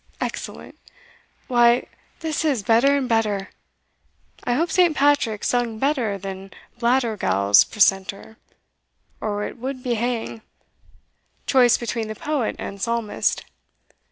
"Excellent! why, this is better and better. I hope Saint Patrick sung better than Blattergowl's precentor, or it would be hang choice between the poet and psalmist.